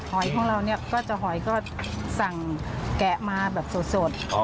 หอยของเราเนี่ยก็จะหอยก็สั่งแกะมาแบบสด